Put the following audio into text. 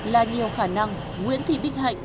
là nhiều khả năng nguyễn thị bích hạnh